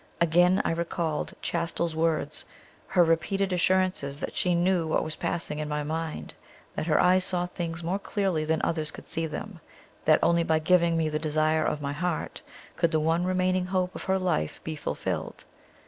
Again I recalled Chastel's words, her repeated assurances that she knew what was passing in my mind, that her eyes saw things more clearly than others could see them, that only by giving me the desire of my heart could the one remaining hope of her life be fulfilled.